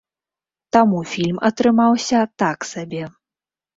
Таму фільм атрымаўся так сабе.